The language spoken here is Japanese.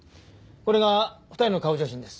これが２人の顔写真です。